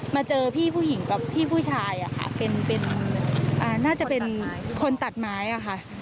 มาเจอพี่ผู้หญิงกับพี่ผู้ชายค่ะเป็นน่าจะเป็นคนตัดไม้อะค่ะ